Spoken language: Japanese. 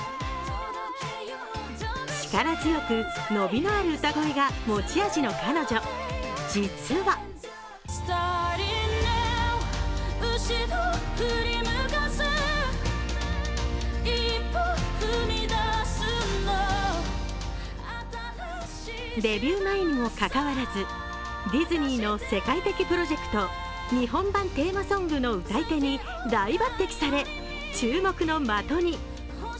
力強く伸びのある歌声が持ち味の彼女、実はデビュー前にもかかわらずディズニーの世界的プロジェクト日本版テーマソングの歌い手に大抜てきされ注目の的に。